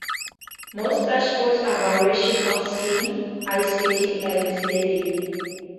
Most such sports are variations of skiing, ice skating and sledding.